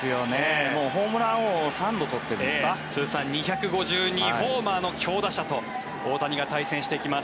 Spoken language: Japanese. ホームラン王を通算２５２ホーマーの強打者と大谷が対戦していきます。